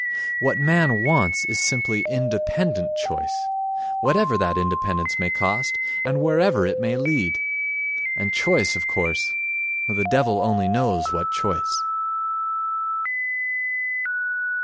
What man wants is simply independent choice, whatever that independence may cost and wherever it may lead. And choice, of course, the devil only knows what choice.